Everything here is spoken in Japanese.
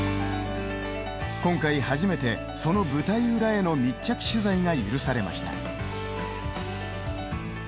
今回初めて、その舞台裏への密着取材が許されました。